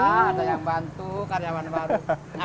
ada yang bantu karyawan baru